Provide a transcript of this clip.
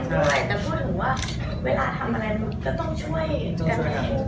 คุณพี่เลี่ยมเพื่อทำอะไรก็ต้องช่วยกัน